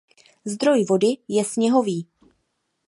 Zdroj vody je sněhový.